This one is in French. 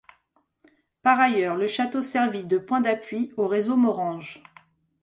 Par ailleurs, le château servit de point d'appui au Réseau Morhange.